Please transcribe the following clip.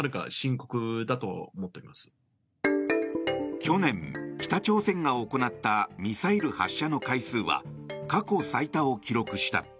去年、北朝鮮が行ったミサイル発射の回数は過去最多を記録した。